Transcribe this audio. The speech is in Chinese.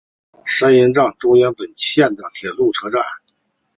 三鹰站中央本线的铁路车站。